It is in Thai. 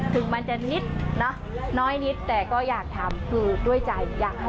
ถึงมันจะนิดน้อยนิดแต่อยากทำอยากให้ด้วยใจ